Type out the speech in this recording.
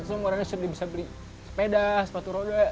semua orangnya sudah bisa beli sepeda sepatu roda